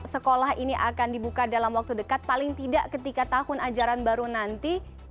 sekolah ini akan dibuka dalam waktu dekat paling tidak ketika tahun ajaran baru nanti